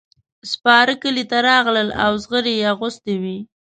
سپاره کلي ته راغلل او زغرې یې اغوستې وې.